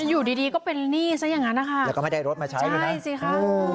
อยู่ดีดีก็เป็นหนี้ซะอย่างนั้นนะคะแล้วก็ไม่ได้รถมาใช้เลยนะใช่สิค่ะ